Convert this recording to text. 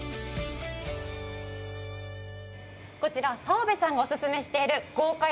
こちら澤部さんがおすすめしている豪快！